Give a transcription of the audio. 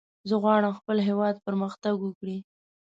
زه غواړم خپل هېواد پرمختګ وکړي.